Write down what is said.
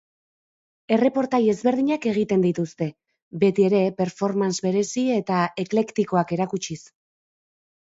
Erreportai ezberdinak egiten dituzte, beti ere performance berezi eta eklektikoak erakutsiz.